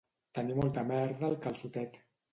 Tenir molta merda al calçotet